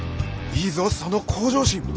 いいぞその向上心！